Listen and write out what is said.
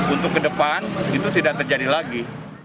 untuk ke depan itu tidak terjadi lagi